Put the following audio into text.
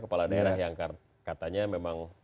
kepala daerah yang katanya memang